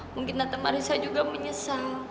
mungkin tante marissa juga menyesal